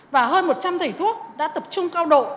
và hơn một trăm linh thầy thuốc đã tập trung cao độ